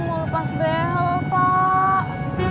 hai mau lepas behel pak